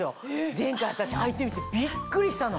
前回私履いてみてびっくりしたの。